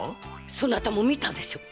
そなたも見たでしょう